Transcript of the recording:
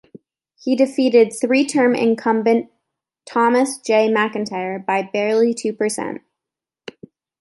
He defeated three-term incumbent Thomas J. McIntyre by barely two percent.